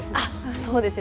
そうですよね。